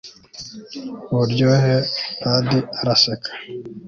uburyohe? padi araseka